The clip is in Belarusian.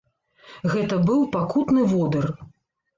Гэта быў пакутны водыр!